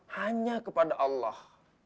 hanya kepada allah